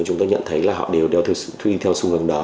chúng ta nhận thấy là họ đều theo xu hướng đó